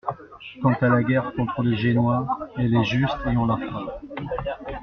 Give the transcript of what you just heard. Quant à la guerre contre les Génois, elle est juste et on la fera.